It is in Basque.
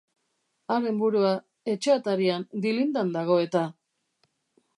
Haren burua etxe atarian dilindan dago eta!